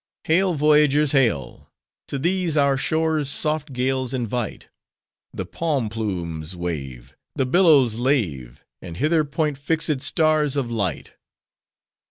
Hail! voyagers, hail! To these, our shores, soft gales invite: The palm plumes wave, The billows lave, And hither point fix'd stars of light!